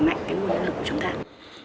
cái nguồn nhân lực của chúng ta